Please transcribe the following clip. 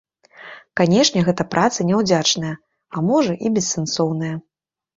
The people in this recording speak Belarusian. Канешне, гэта праца няўдзячная, а можа і бессэнсоўная.